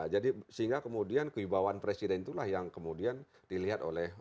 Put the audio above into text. jadi sehingga kemudian keibawaan presiden itulah yang kemudian dilihat oleh masyarakat